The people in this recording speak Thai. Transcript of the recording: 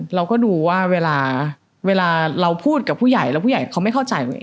เราก็ดูว่าเวลาเวลาเราพูดกับผู้ใหญ่แล้วผู้ใหญ่เขาไม่เข้าใจ